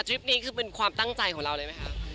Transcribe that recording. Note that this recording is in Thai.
คลิปนี้คือเป็นความตั้งใจของเราเลยไหมคะ